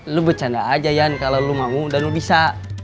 lu bercanda aja yan kalo lu mau dan lu bisa